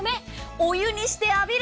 お湯にして浴びる。